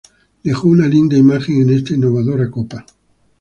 Dejó una linda imagen en esta innovadora copa.